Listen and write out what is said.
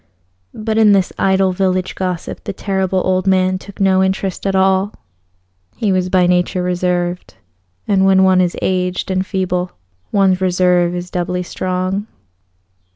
But in this idle village gossip the Terrible Old Man took no interest at all. He was by nature reserved, and when one is aged and feeble one's reserve is doubly strong.